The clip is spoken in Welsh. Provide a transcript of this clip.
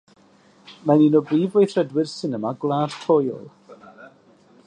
Mae'n un o brif weithredwyr sinema Gwlad Pwyl.